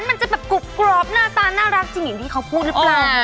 มันจะแบบกรุบกรอบหน้าตาน่ารักจริงอย่างที่เขาพูดหรือเปล่า